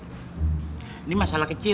ini masalah kecil